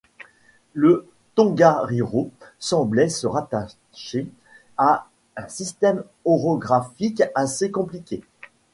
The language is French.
Le Tongariro semblait se rattacher à un système orographique assez compliqué.